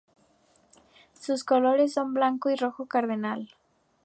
Sus colores son blanco y rojo cardenal.